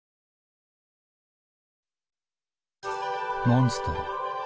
モンストロ。